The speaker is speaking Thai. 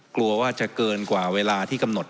กลัวว่าจะเกินกว่าเวลาที่กำหนด